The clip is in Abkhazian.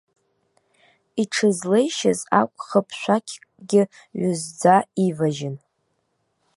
Иҽызлеишьыз акәхап шәақькгьы ҩызӡа иважьын.